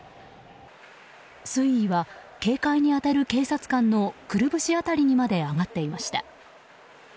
水位は警戒に当たる警察官のくるぶし辺りまで上がっていました。